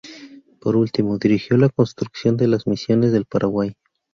Por último, dirigió la construcción de las Misiones del Paraguay.